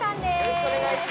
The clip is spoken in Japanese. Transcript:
よろしくお願いします。